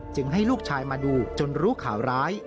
ให้ลูกชายมาดูจนรู้ข่าวร้าย